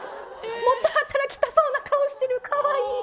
もっと働きたそうな顔してる。